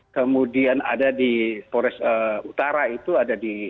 kemudian ada di pores utara itu ada di